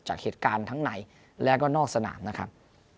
จากเหตุการณ์ทั้งในและก็นอกสนามนะครับ